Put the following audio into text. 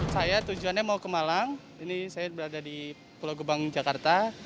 saya tujuannya mau ke malang ini saya berada di pulau gebang jakarta